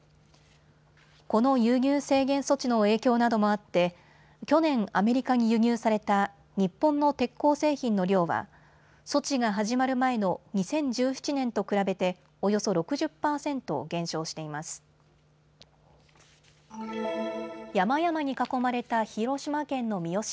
この輸入制限措置の影響などもあって去年、アメリカに輸入された日本の鉄鋼製品の量は措置が始まる前の２０１７年と比べて、およそ６０％減少しています。